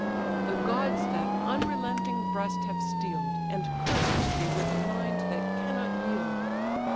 The gods that unrelenting breast have steel'd, And cursed thee with a mind that cannot yield.